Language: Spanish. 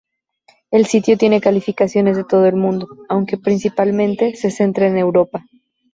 El sitio tiene calificaciones de todo el mundo, aunque principalmente se centra en Europa.